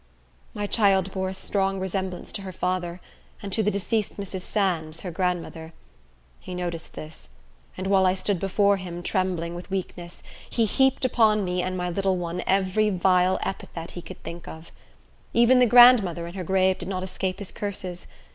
My child bore a strong resemblance to her father, and to the deceased Mrs. Sands, her grandmother. He noticed this; and while I stood before him, trembling with weakness, he heaped upon me and my little one every vile epithet he could think of. Even the grandmother in her grave did not escape his curses.